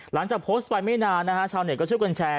หลังจากโพสต์ไปไม่นานนะฮะชาวเน็ตก็ช่วยกันแชร์